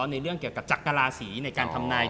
ในเรื่องเกี่ยวกับจักราศีในการทำนาย